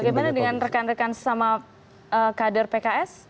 bagaimana dengan rekan rekan sesama kader pks